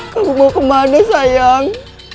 kau mau kemana sayang